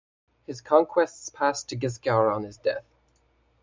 His conquests passed to Guiscard on his death.